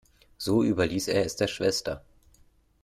So überließ er es der Schwester.